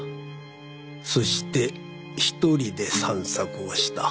そして１人で散策をした。